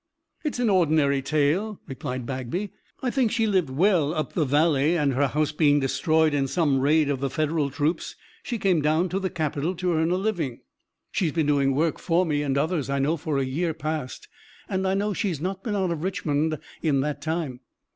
"It's an ordinary tale," replied Bagby. "I think she lived well up the valley and her house being destroyed in some raid of the Federal troops she came down to the capital to earn a living. She's been doing work for me and others I know for a year past, and I know she's not been out of Richmond in that time."